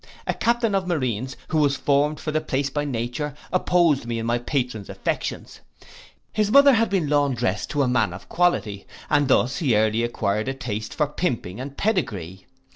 A captain of marines, who was formed for the place by nature, opposed me in my patron's affections. His mother had been laundress to a man of quality, and thus he early acquired a taste for pimping and pedigree.